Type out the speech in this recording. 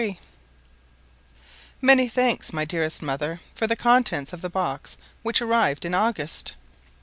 MANY thanks, dearest mother, for the contents of the box which arrived in August.